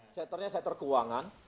seternya seter keuangan